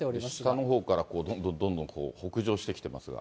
下のほうからどんどんどんどん北上してきてますが。